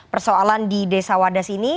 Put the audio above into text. persoalan di desa wadas ini